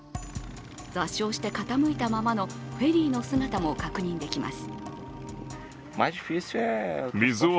座礁して傾いたままのフェリーの姿も確認できます。